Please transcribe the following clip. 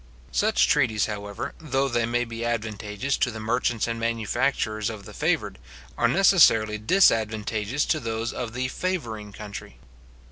Such treaties, however, though they may be advantageous to the merchants and manufacturers of the favoured, are necessarily disadvantageous to those of the favouring country.